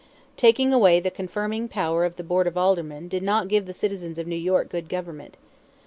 Taking away the confirming power of the Board of Aldermen did not give the citizens of New York good government.